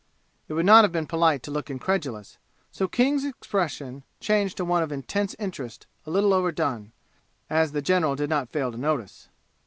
It would not have been polite to look incredulous, so King's expression changed to one of intense interest a little overdone, as the general did not fail to notice.